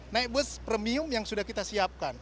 naik bus premium yang sudah kita siapkan